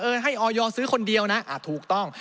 ให้ออยซื้อคนเดียวนะถูกต้อง